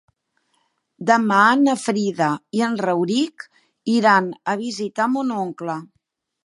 Demà na Frida i en Rauric iran a visitar mon oncle.